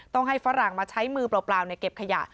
ต้องให้ฝรั่งมาใช้มือเปล่าเก็บขยะ